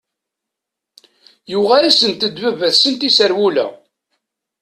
Yuɣ-asent-d baba-tsent iserwula.